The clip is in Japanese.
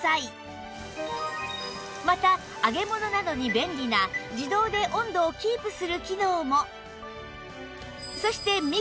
また揚げ物などに便利な自動で温度をキープする機能も